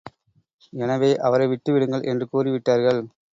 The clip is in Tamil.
எனவே அவரை விட்டு விடுங்கள் என்று கூறி விட்டார்கள்.